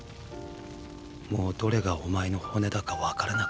もうどれがお前の骨だか分からなくなったよ。